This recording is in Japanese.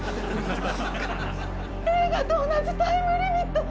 映画と同じタイムリミット！